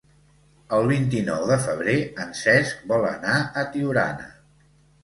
El vint-i-nou de febrer en Cesc vol anar a Tiurana.